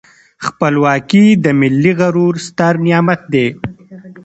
خپلواکي د ملي غرور ستر نعمت دی.